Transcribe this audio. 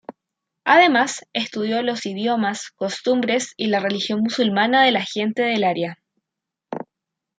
Además estudió los idiomas, costumbres y la religión musulmana de la gente del área.